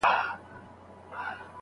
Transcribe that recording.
هرڅه یې ورڅخه غصبول